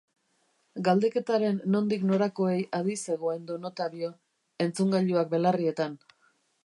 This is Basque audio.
Galdeketaren nondik norakoei adi zegoen don Ottavio, entzungailuak belarrietan.